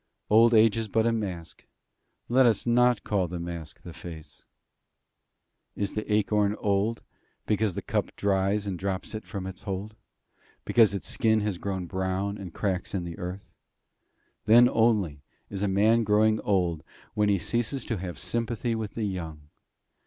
Old age is but a mask; let us not call the mask the face. Is the acorn old, because its cup dries and drops it from its hold because its skin has grown brown and cracks in the earth? Then only is a man growing old when he ceases to have sympathy with the young.